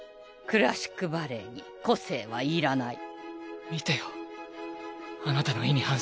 クラシックバレエに個性はいらない